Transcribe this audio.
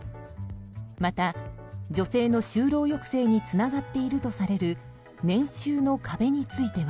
また、女性の就労抑制につながっているとされる年収の壁については。